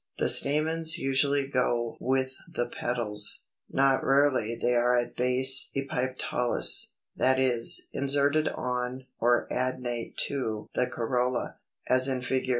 The stamens usually go with the petals. Not rarely they are at base Epipetalous, that is, inserted on (or adnate to) the corolla, as in Fig.